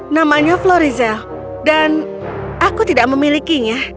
namanya florizel dan aku tidak memilikinya